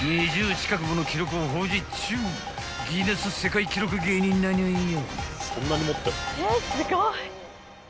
近くもの記録を保持っちゅうギネス世界記録芸人なのよ］